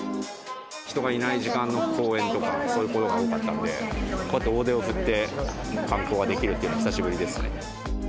人がいない時間の公園とか、そういうことが多かったので、こうやって大手を振って観光ができるっていうのは久しぶりですね。